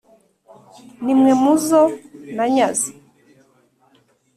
Nimwe muzo nanyaze